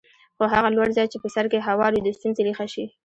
خو هغه لوړ ځای چې په سر کې هوار وي د ستونزې ریښه شي.